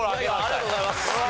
ありがとうございます。